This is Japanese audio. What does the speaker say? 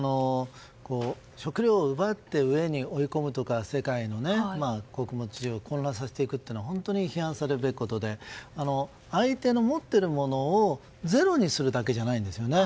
食糧奪ったうえに追い込むとか世界の穀物市場を混乱させていくという本当に批判されるべきことで相手の持っているものを、ゼロにするだけじゃないんですよね。